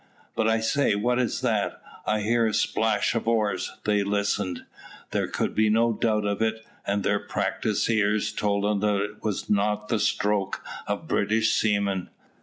"But I say, what is that? I heard the splash of oars." They listened. There could be no doubt of it, and their practised ears told them that it was not the stroke of British seamen.